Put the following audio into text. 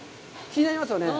気になりますよね？